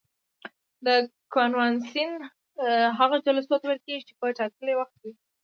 کنوانسیون هغو جلسو ته ویل کیږي چې په ټاکلي وخت وي.